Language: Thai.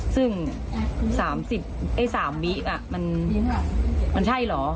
ซึ่ง๓วิมันใช่เหรอ